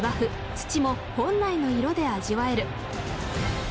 土も本来の色で味わえる。